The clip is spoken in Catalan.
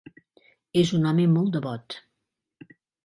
És un home molt devot.